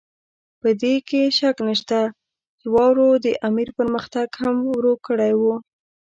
په دې کې شک نشته چې واورو د امیر پرمختګ هم ورو کړی وو.